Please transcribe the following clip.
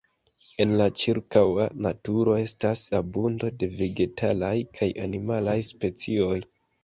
En la ĉirkaŭa naturo estas abundo de vegetalaj kaj animalaj specioj.